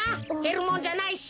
へるもんじゃないし。